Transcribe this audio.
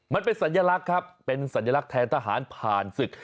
มันเป็นสัญลักษณ์ครับเป็นสัญลักษณ์แทนทหารผ่านศึก